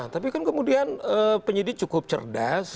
tapi kan kemudian penyidik cukup cerdas